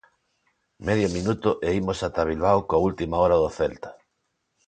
Medio minuto e imos ata Bilbao coa última hora do Celta.